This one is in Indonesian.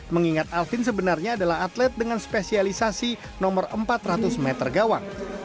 mengingat alvin sebenarnya adalah atlet dengan spesialisasi nomor empat ratus meter gawang